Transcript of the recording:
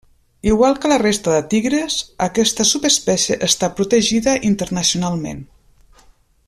Igual que la resta de tigres, aquesta subespècie està protegida internacionalment.